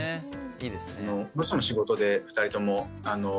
いいですね。